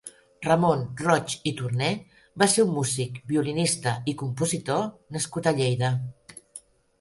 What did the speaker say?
Ramon Roig i Torné va ser un músic, violinista i compositor nascut a Lleida.